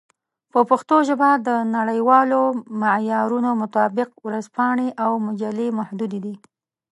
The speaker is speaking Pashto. په پښتو ژبه د نړیوالو معیارونو مطابق ورځپاڼې او مجلې محدودې دي.